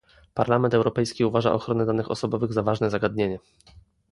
Parlament Europejski uważa ochronę danych osobowych za ważne zagadnienie